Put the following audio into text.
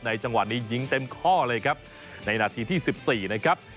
จังหวะนี้ยิงเต็มข้อเลยครับในนาทีที่๑๔นะครับ